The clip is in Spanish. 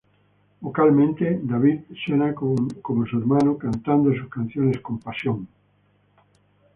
Vocalmente, David suena como su hermano cantando sus canciones con pasión.